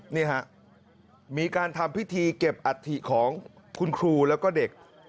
นี่ฮะมีการทำพิธีเก็บอัฐิของคุณครูแล้วก็เด็ก